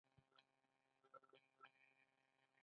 د ماشوم د ځیرکتیا لپاره باید څه وکړم؟